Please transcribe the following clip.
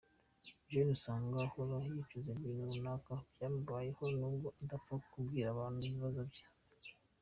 Jeanne usanga ahora yicuza ibintu runaka byamubayeho, nubwo adapfa kubwira abandi ibibazo bye.